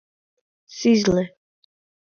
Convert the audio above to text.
Сӱзлӧ!